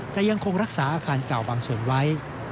แต่ยังคงรักษาอาคารเก่าบางส่วนไว้